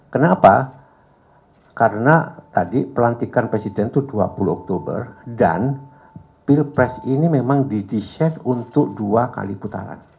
kenapa karena tadi pelantikan presiden itu dua puluh oktober dan pilpres ini memang didesain untuk dua kali putaran